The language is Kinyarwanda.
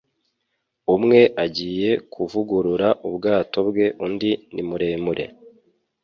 umwe agiye kuvugurura ubwato bwe undi ni muremure